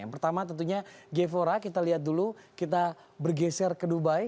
yang pertama tentunya gevora kita lihat dulu kita bergeser ke dubai